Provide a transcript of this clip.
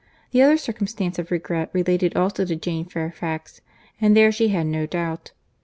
The other circumstance of regret related also to Jane Fairfax; and there she had no doubt.